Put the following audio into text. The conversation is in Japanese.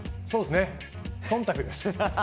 忖度です。